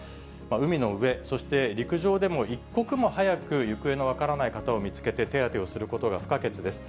海の上、そして陸上でも一刻も早く行方の分からない方を見つけて手当てをすることが不可欠です。